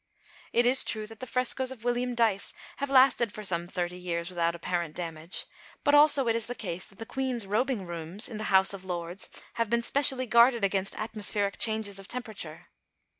It is true that the frescoes of William Dyce have lasted for some thirty years without apparent damage; but also it is the case that the Queen's Robing Rooms in the House of Lords have been specially guarded against atmospheric changes of temperature.